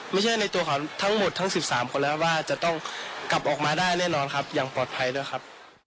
ในตัวเขาทั้งหมดทั้ง๑๓คนแล้วว่าจะต้องกลับออกมาได้แน่นอนครับอย่างปลอดภัยด้วยครับ